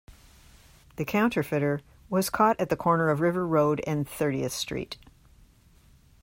The counterfeiter was caught at the corner of River Road and Thirtieth Street.